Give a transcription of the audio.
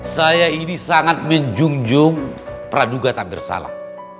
saya ini sangat menjunjung praduga tak bersalah